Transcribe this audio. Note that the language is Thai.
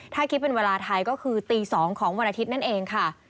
ถ้าคิดเป็นเวลาไทยก็คือตี๒ของวันอาทิตย์นั่นเองค่ะ